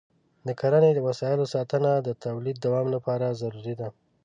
د کرني د وسایلو ساتنه د تولید دوام لپاره ضروري ده.